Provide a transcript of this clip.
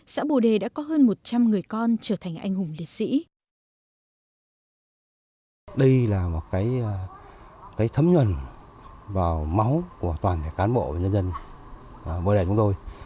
xã bồ đề đã có hơn một trăm linh người con trở thành anh hùng liệt sĩ